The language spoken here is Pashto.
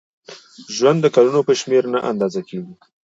ژوند د کلونو په شمېر نه اندازه کېږي.